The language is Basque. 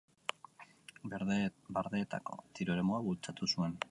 Bardeetako tiro eremua bultzatu zuen.